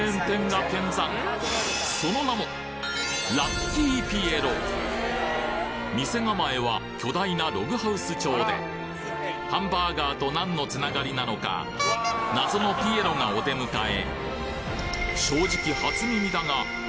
その名も店構えは巨大なログハウス調でハンバーガーと何のつながりなのか謎のピエロがお出迎え